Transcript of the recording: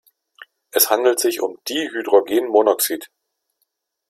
Es handelt sich um Dihydrogenmonoxid.